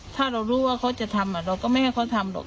ถ้าเรารู้ว่าเขาจะทำเราก็ไม่ให้เขาทำหรอก